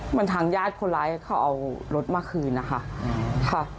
เหมือนทางญาติคนร้ายเขาเอารถมาคืนนะคะ